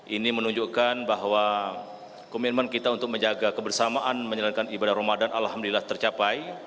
ini menunjukkan bahwa komitmen kita untuk menjaga kebersamaan menjalankan ibadah ramadan alhamdulillah tercapai